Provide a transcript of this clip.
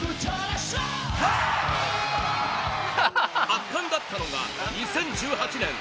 圧巻だったのが２０１８年